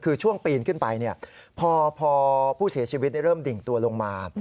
คือช่วงปีนขึ้นไปพอผู้เสียชีวิตได้เริ่มดิ่งตัวลงมา